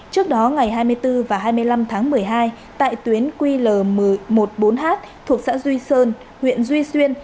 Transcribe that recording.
trước đó ngày hai mươi bốn và hai mươi năm tháng một mươi hai tại tuyến ql một trăm một mươi bốn h thuộc xã duy sơn huyện duy xuyên